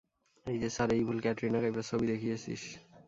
এইযে স্যার, এই, ভুলে ক্যাটরিনা কাইফের ছবি দেখিয়েছিস।